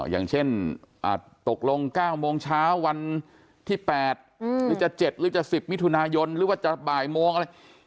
อย่างเช่นตกลง๙โมงเช้าวันที่๘หรือจะ๗หรือจะ๑๐มิถุนายนหรือว่าจะบ่ายโมงอะไร